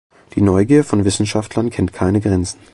Die Neugier von Wissenschaftlern kennt keine Grenzen.